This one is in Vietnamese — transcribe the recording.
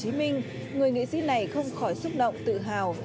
hồ chí minh người nghệ sĩ này không khỏi xúc động tự hào